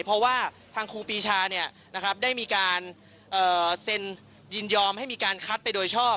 เพราะว่าทางครูปีชาได้มีการเซ็นยินยอมให้มีการคัดไปโดยชอบ